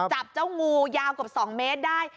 จับเจ้างูยาวเกือบ๒เมตรได้